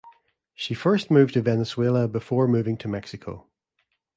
She first moved to Venezuela before moving to Mexico.